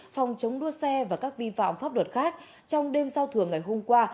phòng chống đua xe và các vi phạm pháp luật khác trong đêm sau thường ngày hôm qua